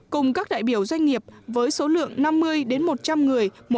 cùng các đại biểu doanh nghiệp với số lượng năm mươi một trăm linh người